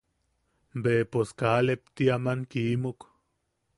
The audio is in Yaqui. Be pos kaa lepti aman kimuk.